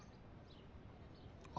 あ。